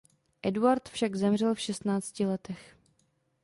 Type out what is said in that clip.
Eduard však zemřel v šestnácti letech.